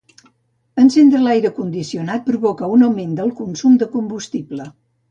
Encendre l'aire condicionat provoca un augment del consum de combustible.